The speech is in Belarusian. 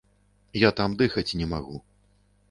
Я там дыхаць не магу.